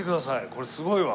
これすごいわ。